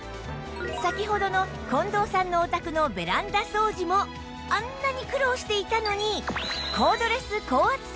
先ほどの近藤さんのお宅のベランダ掃除もあんなに苦労していたのに